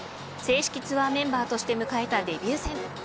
正式ツアーメンバーとして迎えたデビュー戦。